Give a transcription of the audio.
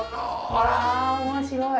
あら面白い！